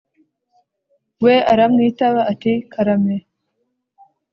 We aramwitaba ati karame